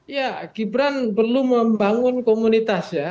ya gibran perlu membangun komunitas ya